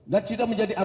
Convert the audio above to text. dan tidak menjadi korban